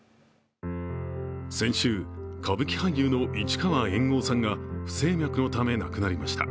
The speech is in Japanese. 先週、歌舞伎俳優の市川猿翁さんが不整脈のため亡くなりました。